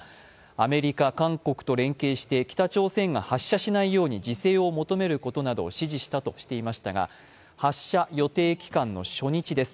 アメリカ、韓国として連携して北朝鮮が発射しないように自制を求めるとしていましたが発射予定期間の初日です。